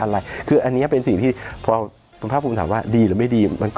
ว่าจะแก้อะไรคืออันนี้เป็นสิ่งที่พอภาพภูมิถามว่าดีหรือไม่ดี